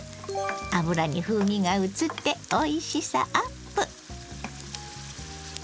油に風味がうつっておいしさアップ。